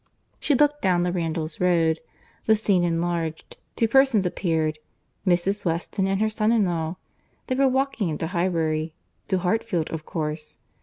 She looked down the Randalls road. The scene enlarged; two persons appeared; Mrs. Weston and her son in law; they were walking into Highbury;—to Hartfield of course.